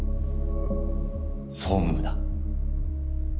総務部だ。